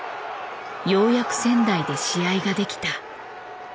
ようやく仙台で試合ができた。